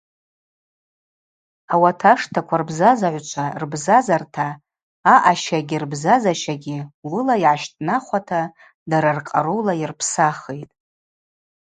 Ауат аштаква рбзазагӏвчва рбзазарта аъащагьи рбзазащагьи уыла йгӏащтӏнахуата дара ркъарула йырпсахитӏ.